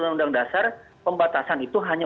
undang undang dasar pembatasan itu hanya